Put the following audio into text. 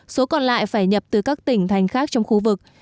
số còn lại phải nhập từ các tỉnh thành khác trong khu vực